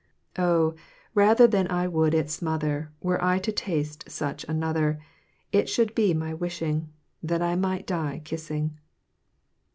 Oh, rather than I would it smother, Were I to taste such another. It should be my wishing That I might die kissing.